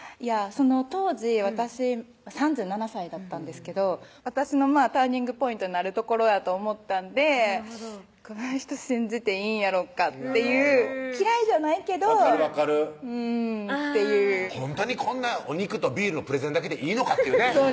その当時私３７歳だったんですけど私のターニングポイントになるところやと思ったんでこの人信じていいんやろかっていう嫌いじゃないけど「うん」っていうほんとにこんなお肉とビールのプレゼンだけでいいのかというね